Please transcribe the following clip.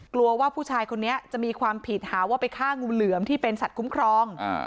กลัวว่าผู้ชายคนนี้จะมีความผิดหาว่าไปฆ่างูเหลือมที่เป็นสัตว์คุ้มครอง